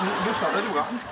大丈夫か？